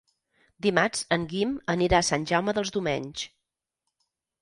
Dimarts en Guim anirà a Sant Jaume dels Domenys.